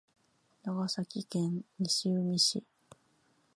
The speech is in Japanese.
長崎県西海市